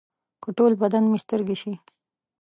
که ټول بدن مې سترګې شي.